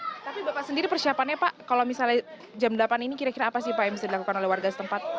tapi bapak sendiri persiapannya pak kalau misalnya jam delapan ini kira kira apa sih pak yang bisa dilakukan oleh warga setempat